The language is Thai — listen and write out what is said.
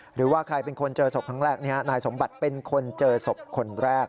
หรือว่าใครเป็นคนเจอศพครั้งแรกนายสมบัติเป็นคนเจอศพคนแรก